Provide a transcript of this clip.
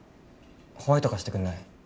ホワイト貸してくんない？